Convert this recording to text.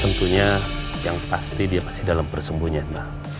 tentunya yang pasti dia masih dalam persembunyian